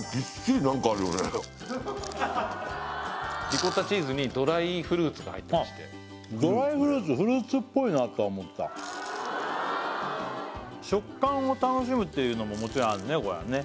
リコッタチーズにドライフルーツが入ってましてドライフルーツフルーツっぽいなとは思ったっていうのももちろんあるね